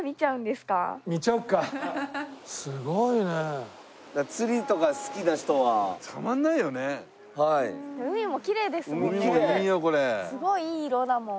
すごいいい色だもん。